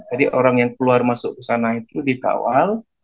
orang yang keluar masuk ke sana itu dikawal